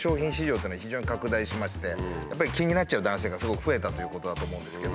やっぱり気になっちゃう男性がすごく増えたということだと思うんですけど。